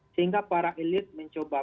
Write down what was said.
sehingga para elit mencoba